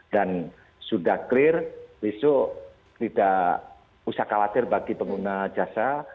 dan sudah clear besok tidak usah khawatir bagi pengguna jasa